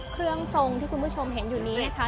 เครื่องทรงที่คุณผู้ชมเห็นอยู่นี้นะคะ